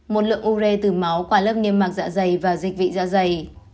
một lượng ure từ máu qua lớp niêm mạc dạ dày và dịch vị da dày